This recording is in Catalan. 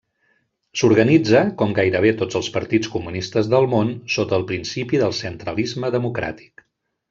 S'organitza, com gairebé tots els partits comunistes del món, sota el principi del centralisme democràtic.